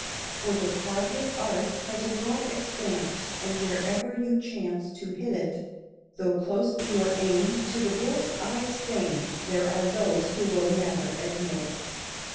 For the target art has a broad expanse, And wherever you chance to hit it, Though close be your aim to the bull's eye fame, There are those who will never admit it.